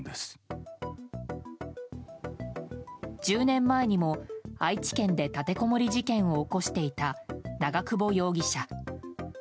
１０年前にも愛知県で立てこもり事件を起こしていた長久保容疑者。